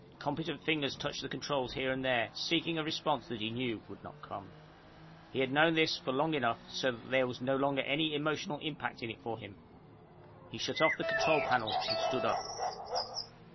Competent fingers touched controls here and there, seeking a response that he knew would not come. He had known this for long enough so that there was no longer any emotional impact in it for him. He shut off the control panel, and stood up.